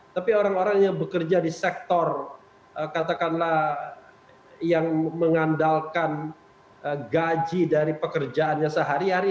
tapi orang orang yang bekerja di sektor katakanlah yang mengandalkan gaji dari pekerjaannya sehari hari